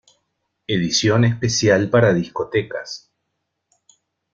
Edición especial para discotecas".